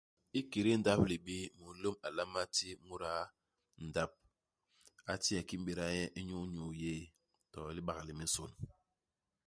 Ikédé ndap-libii, mulôm a nlama ti muda ndap, a ti nye kii i m'béda nye inyu nyuu yéé, to i libak li minsôn.